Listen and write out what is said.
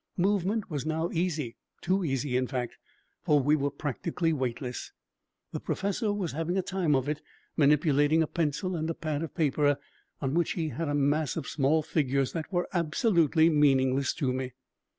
Movement was now easy too easy, in fact, for we were practically weightless. The professor was having a time of it manipulating a pencil and a pad of paper on which he had a mass of small figures that were absolutely meaningless to me.